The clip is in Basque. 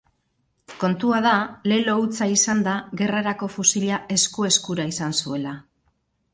Kontua da lelo hutsa izanda, gerrarako fusila esku-eskura izan zuela.